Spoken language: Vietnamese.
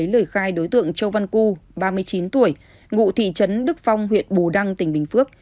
lời khai đối tượng châu văn cư ba mươi chín tuổi ngụ thị trấn đức phong huyện bù đăng tỉnh bình phước